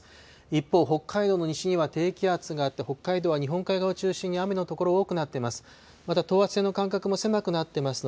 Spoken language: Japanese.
一方、北海道の西には低気圧があって、北海道は日本海側を中心に雨の所多くなっています。